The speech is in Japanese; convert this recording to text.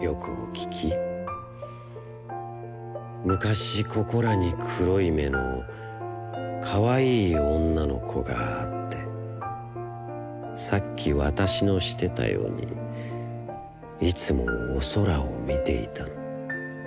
むかし、ここらに黒い眼の、かわいい女の子があって、さっきわたしのしてたよに、いつもお空をみていたの。